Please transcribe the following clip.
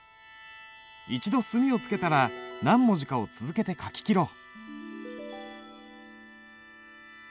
一度墨をつけたら何文字かを続けて書ききろう。